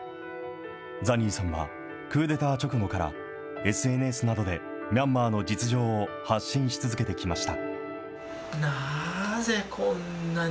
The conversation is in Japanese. ザニーさんはクーデター直後からＳＮＳなどでミャンマーの実情を発信し続けてきました。